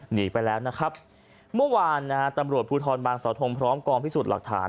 หนีไปแล้วนะครับเมื่อวานนะฮะตำรวจภูทรบางสาวทงพร้อมกองพิสูจน์หลักฐาน